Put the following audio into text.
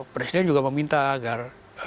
presiden juga meminta agar